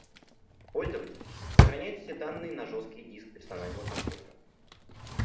Пользователь сохраняет все данные на жесткий диск персонального компьютера